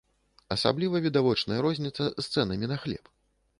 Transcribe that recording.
Асабліва відавочная розніца з цэнамі на хлеб.